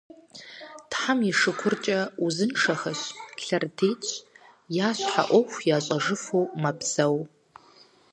Тхьэм и шыкуркӀэ, узыншэхэщ, лъэрытетщ, я щхьэ Ӏуэху ящӀэжыфу мэпсэу.